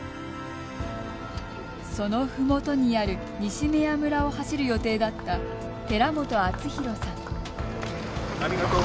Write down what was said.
そのふもとにある西目屋村を走る予定だった寺本充宏さん。